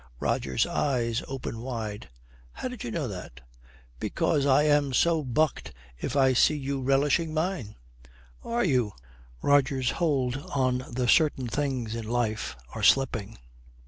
Roger's eyes open wide. 'How did you know that?' 'Because I am so bucked if I see you relishing mine.' 'Are you?' Roger's hold on the certain things in life are slipping.